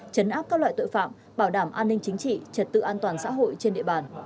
chấn áp các loại tội phạm bảo đảm an ninh chính trị trật tự an toàn xã hội trên địa bàn